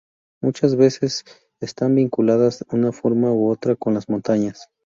Muchas aves están vinculadas, de una forma u otra, con las montañas.